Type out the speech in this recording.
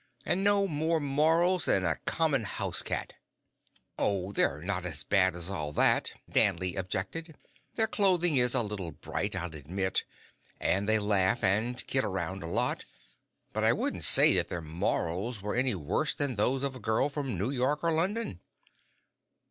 And no more morals than a common house cat!" "Oh, they're not as bad as all that," Danley objected. "Their clothing is a little bright, I'll admit, and they laugh and kid around a lot, but I wouldn't say that their morals were any worse than those of a girl from New York or London."